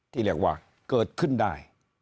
ที่เรียกว่าเกิดขึ้นได้